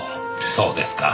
そうですか。